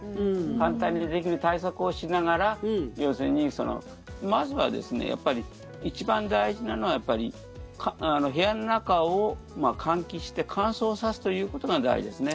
簡単にできる対策をしながら要するに、まずは一番大事なのは部屋の中を換気して乾燥させるということが大事ですね。